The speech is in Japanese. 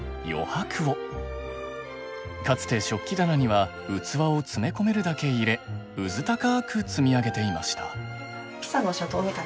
かつて食器棚には器を詰め込めるだけ入れうずたかく積み上げていました。